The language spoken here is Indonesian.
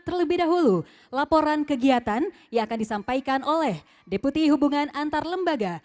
terlebih dahulu laporan kegiatan yang akan disampaikan oleh deputi hubungan antar lembaga